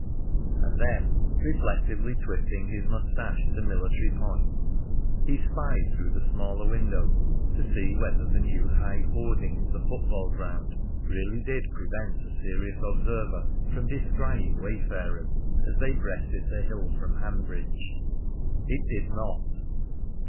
And then, reflectively twisting his moustache to military points, he spied through the smaller window to see whether the new high hoarding of the football ground really did prevent a serious observer from descrying wayfarers as they breasted the hill from Hanbridge. It did not.